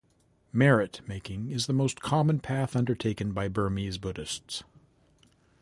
Merit-making is the most common path undertaken by Burmese Buddhists.